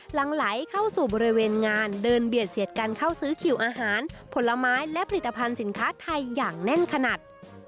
หลังไหลเข้าสู่บริเวณงานเดินเบียดเสียดกันเข้าซื้อคิวอาหารผลไม้และผลิตภัณฑ์สินค้าไทยอย่างแน่นขนาด